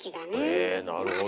へえなるほど。